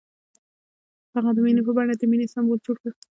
هغه د مینه په بڼه د مینې سمبول جوړ کړ.